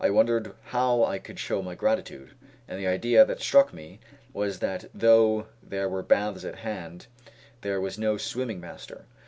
I wondered how I could show my gratitude, and the idea that struck me was that though there were baths at hand, there was no swimming master.